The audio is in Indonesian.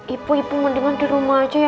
ibu ibu mendingan dirumah aja ya